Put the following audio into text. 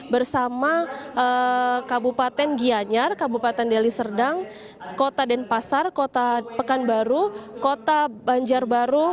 bersama kabupaten gianyar kabupaten deli serdang kota denpasar kota pekanbaru kota banjarbaru